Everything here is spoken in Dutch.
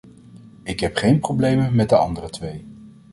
Ik heb geen problemen met de andere twee.